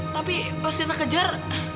tapi pas kita kejar